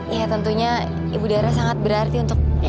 ya tentunya ibu dara sangat berarti untuk saya